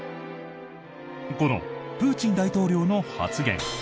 この、プーチン大統領の発言。